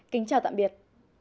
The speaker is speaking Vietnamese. kính chào tạm biệt